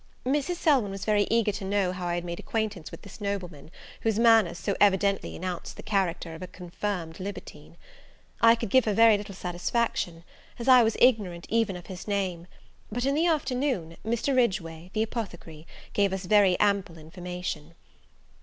Mrs. Selwyn was very eager to know how I had made acquaintance with this nobleman, whose manners so evidently announced the character of a confirmed libertine. I could give her very little satisfaction, as I was ignorant even of his name: but, in the afternoon, Mr. Ridgeway, the apothecary, gave us very ample information.